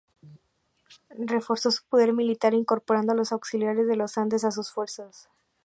Reforzó su poder militar incorporando a los "Auxiliares de los Andes" a sus fuerzas.